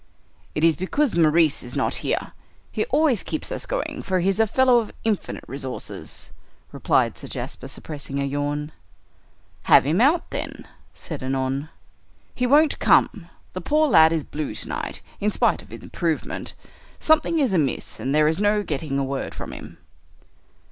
"It is because Maurice is not here; he always keeps us going, for he is a fellow of infinite resources," replied Sir Jasper, suppressing a yawn. "Have him out then," said Annon. "He won't come. The poor lad is blue tonight, in spite of his improvement. Something is amiss, and there is no getting a word from him."